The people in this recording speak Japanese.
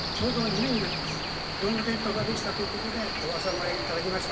ドームテントができたという事でお集まり頂きました。